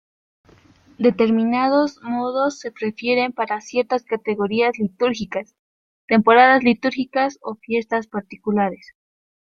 Determinados modos se prefieren para ciertas categorías litúrgicas, temporadas litúrgicas o fiestas particulares.